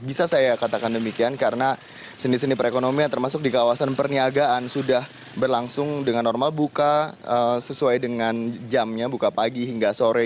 bisa saya katakan demikian karena seni seni perekonomian termasuk di kawasan perniagaan sudah berlangsung dengan normal buka sesuai dengan jamnya buka pagi hingga sore